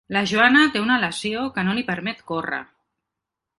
La Joana té una lesió que no li permet córrer.